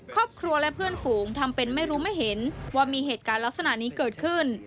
ครอบครัวและเพื่อนฝูงทำเป็นไม่รู้ไม่เห็นว่ามีเหตุการณ์ลักษณะนี้เกิดขึ้น